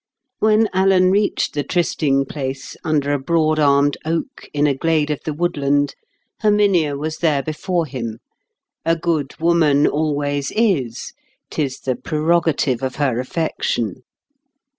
When Alan reached the trysting place, under a broad armed oak, in a glade of the woodland, Herminia was there before him; a good woman always is, 'tis the prerogative of her affection.